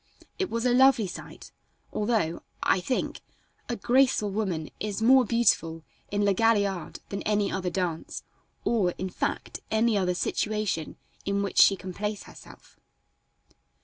It was a lovely sight, although, I think, a graceful woman is more beautiful in La Galliard than any other dance, or, in fact, any other situation in which she can place herself.